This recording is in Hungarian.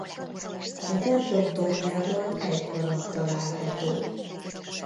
A templom tornyában egy harang található.